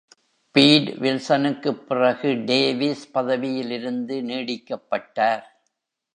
Beat வில்சனுக்குப் பிறகு Davis பதவியில் இருந்து நீடிக்கப்பட்டார்.